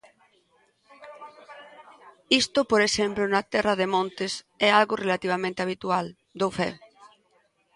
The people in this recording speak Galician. Isto, por exemplo na Terra de Montes, é algo relativamente habitual; dou fe.